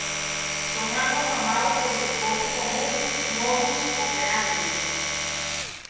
Son algo afamados por su poco común "modus operandi".